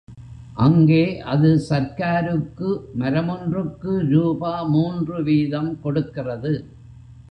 அங்கே அது சர்க்காருக்கு மரமொன்றுக்கு ரூபா மூன்று வீதம் கொடுக்கிறது.